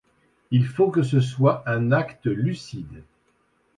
Il faut que ce soit un acte lucide.